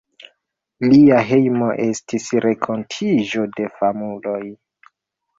Lia hejmo estis renkontiĝo de famuloj.